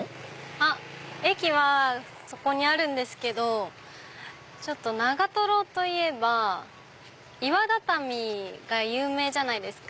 あっ駅はそこにあるんですけどちょっと長といえば岩畳が有名じゃないですか。